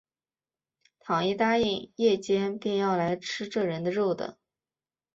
倘一答应，夜间便要来吃这人的肉的